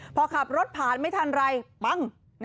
พอขับรถผ่านไม่ทันไรปั้ง